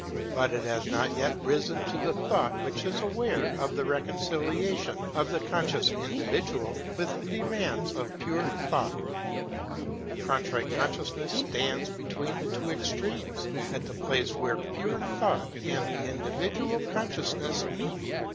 But it has not yet risen to the thought which is aware of the reconciliation of the conscious individual with the demands of pure thought. The Contrite Consciousness stands between the two extremes, at the place where pure thought and the individual consciousness meet.